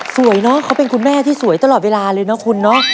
เนอะเขาเป็นคุณแม่ที่สวยตลอดเวลาเลยนะคุณเนาะ